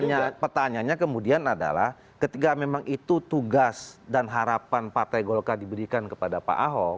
nah pertanyaannya kemudian adalah ketika memang itu tugas dan harapan partai golkar diberikan kepada pak ahok